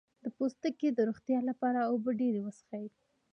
د پوستکي د روغتیا لپاره اوبه ډیرې وڅښئ